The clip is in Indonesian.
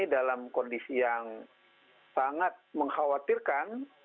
dalam kondisi yang sangat mengkhawatirkan